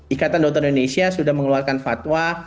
ikatan dokter indonesia sudah mengeluarkan fatwa